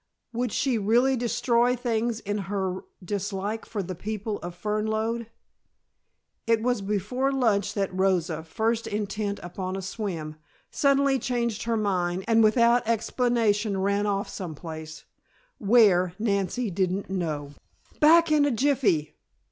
Would she really destroy things in her dislike for the people of Fernlode? It was before lunch that Rosa, first intent upon a swim, suddenly changed her mind and without explanation ran off some place; where, Nancy didn't know. "Back in a jiffy!"